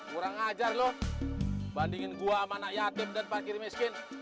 bandingin gua sama anak yatim dan pak kiri miskin